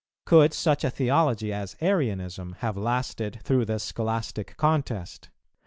Could such a theology as Arianism have lasted through the scholastic contest?